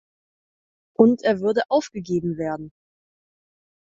Und er würde aufgegeben werden!